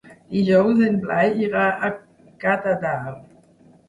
Dijous en Blai irà a Catadau.